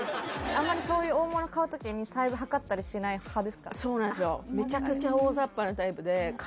あんまりそういう大物買う時にサイズ測ったりしない派ですか？